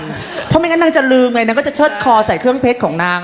เพราะไม่งั้นนางจะลืมไงนางก็จะเชิดคอใส่เครื่องเพชรของนาง